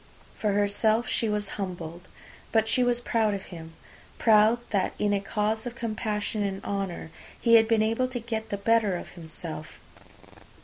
For herself she was humbled; but she was proud of him, proud that in a cause of compassion and honour he had been able to get the better of himself.